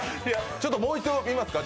ちょっともう一度見ますか？